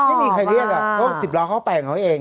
ไม่มีใครเรียกอะโอ้๑๐ล้อเขาแปลกแล้วเอง